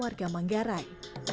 tari perang manggarai